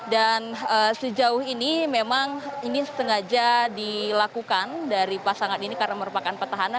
dan sejauh ini memang ini sengaja dilakukan dari pasangan ini karena merupakan petahana